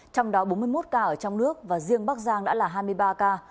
trong đó bốn mươi một ca ở trong nước và riêng bắc giang đã là hai mươi ba ca